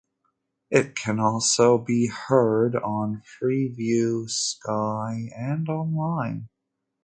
It can also be heard on Freeview, Sky and online.